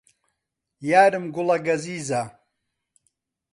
یارم گوڵە گەزیزە